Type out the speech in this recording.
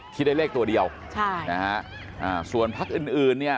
ที่ได้เลขตัวเดียวส่วนพักอื่นเนี่ย